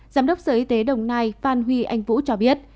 giám đốc sở y tế đồng nai phan huy anh vũ cho biết